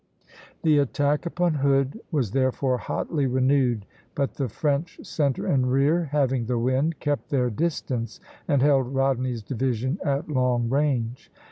The attack upon Hood was therefore hotly renewed; but the French centre and rear (b), having the wind, kept their distance, and held Rodney's division at long range.